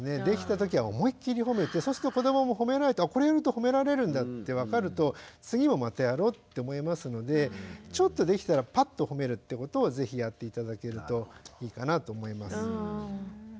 できた時は思い切りほめてそうすると子どももほめられると「あこれやるとほめられるんだ」って分かると「次もまたやろう」って思いますのでちょっとできたらパッとほめるってことを是非やって頂けるといいかなと思います。